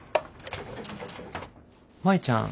舞ちゃん？